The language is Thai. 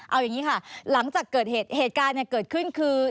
เอาอย่างนี้ค่ะหลังจากเกิดเหตุการณ์เกิดขึ้นคือ